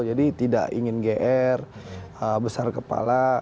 jadi tidak ingin gr besar kepala